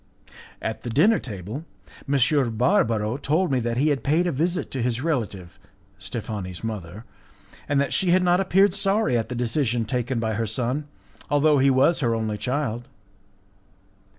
At the dinner table M. Barbaro told me that he had paid a visit to his relative, Steffani's mother, and that she had not appeared sorry at the decision taken by her son, although he was her only child.